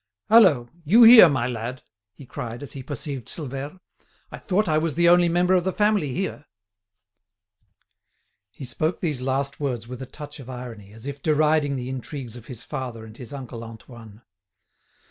"Hallo! You here, my lad?" he cried, as he perceived Silvère. "I thought I was the only member of the family here." He spoke these last words with a touch of irony, as if deriding the intrigues of his father and his uncle Antoine.